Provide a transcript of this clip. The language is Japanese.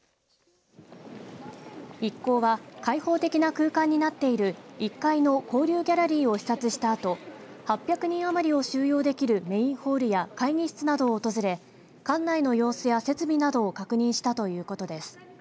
一行は開放的な空間になっている１階の交流ギャラリーを視察したあと８００人余りを収容できるメインホールや会議室などを訪れ館内の様子や設備などを確認したということです。